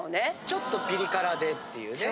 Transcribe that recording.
ちょっとピリ辛でっていうね。